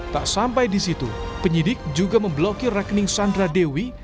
tak sampai di situ penyidik juga memblokir rekening sandra dewi